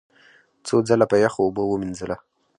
څو ځله په یخو اوبو ومینځله،